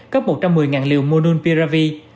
cấp một trăm một mươi liều monulpiravir